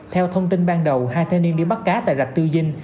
theo thông tin ban đầu hai thanh niên đi bắt cá tại rạch tư dinh